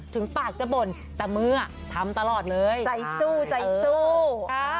ถึงปากจะบ่นแต่เมื่อทำตลอดเลยใจสู้ใจสู้